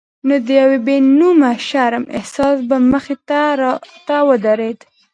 نو د یو بې نومه شرم احساس به مخې ته راته ودرېد.